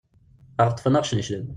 Ad aɣ-ṭṭfen ad aɣ-cneclen.